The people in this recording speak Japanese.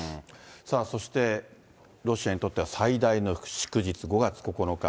そして、ロシアにとっては最大の祝日５月９日、